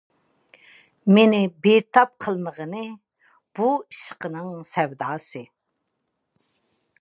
مېنى بىتاپ قىلمىغىنى، بۇ ئىشقنىڭ سەۋداسى.